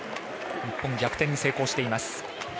日本逆転に成功しています。